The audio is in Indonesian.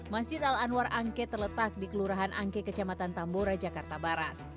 masjid al anwar angke terletak di kelurahan angke kecamatan tambora jakarta barat